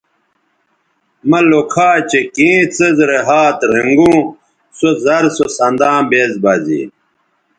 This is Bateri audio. مہ لوکھا چہء کیں څیز رے ھات رھنگوں سو زر سو سنداں بیز بہ زے